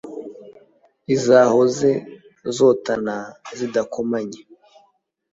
izahoze zotana zidakomanya